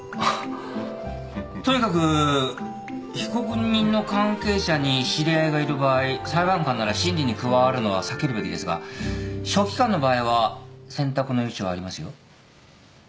とにかく被告人の関係者に知り合いがいる場合裁判官なら審理に加わるのは避けるべきですが書記官の場合は選択の余地はありますよ。